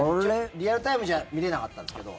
リアルタイムじゃ見れなかったんですけど